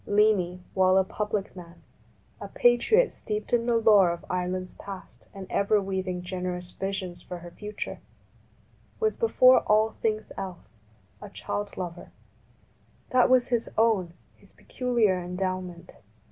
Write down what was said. Leainy, while a public man, a patriot steeped in the lore of Ireland's past and ever weaving generous visions for her future, was before all things else a child lover. That was his own, his peculiar endowment.